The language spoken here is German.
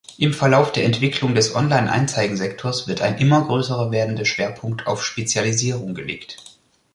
Im Verlauf der Entwicklung des Online-Anzeigensektors wird ein immer größer werdender Schwerpunkt auf Spezialisierung gelegt.